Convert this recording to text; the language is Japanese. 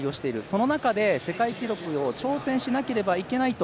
その中で世界記録を挑戦しなければいけない